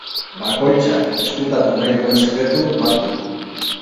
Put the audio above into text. Bakoitzak ezkutatu nahi duen sekretu bat du.